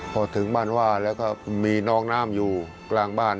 พอถึงบ้านว่าแล้วก็มีน้องน้ำอยู่กลางบ้าน